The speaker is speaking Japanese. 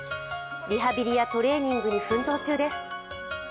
リハビリやトレーニングに奮闘中です。